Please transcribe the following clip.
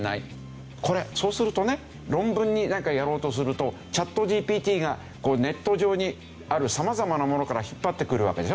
これそうするとね論文になんかやろうとするとチャットＧＰＴがこうネット上にある様々なものから引っ張ってくるわけでしょ。